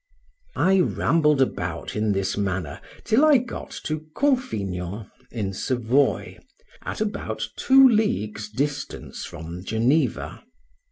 I rambled about in this manner till I got to Confignon, in Savoy, at about two leagues distance from Geneva.